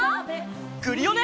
クリオネ！